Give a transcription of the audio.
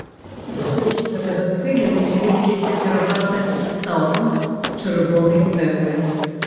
Будынкі гэтага стылю ўзводзіліся пераважна ці цалкам з чырвонай цэглы.